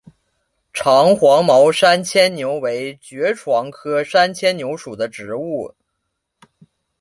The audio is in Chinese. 长黄毛山牵牛为爵床科山牵牛属的植物。